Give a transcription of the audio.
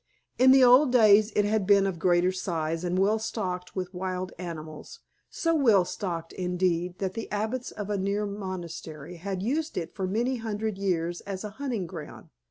In the old days it had been of greater size and well stocked with wild animals; so well stocked, indeed, that the abbots of a near monastery had used it for many hundred years as a hunting ground.